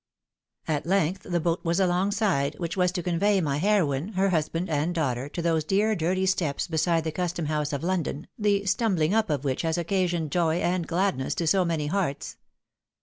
At length the boat was alongside, which was to convey my lieroine, her hustand and daughter, to those dear dirty steps, beside the Custom house of London, the stumbhng up of which has occasioned joy and gladness to so many hearts.